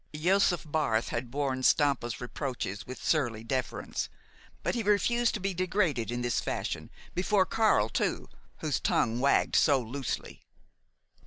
Josef Barth had borne Stampa's reproaches with surly deference; but he refused to be degraded in this fashion before Karl, too, whose tongue wagged so loosely.